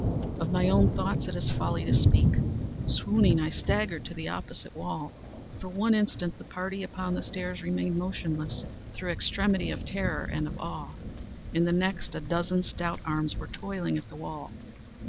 Of my own thoughts it is folly to speak. Swooning, I staggered to the opposite wall. For one instant the party upon the stairs remained motionless, through extremity of terror and of awe. In the next, a dozen stout arms were toiling at the wall.